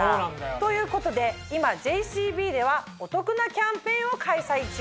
ということで今ＪＣＢではお得なキャンペーンを開催中。